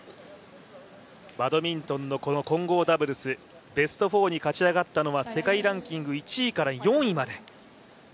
バドミントンの混合ダブルス、ベスト４に勝ち上がったのは世界ランキング１位から４位まで。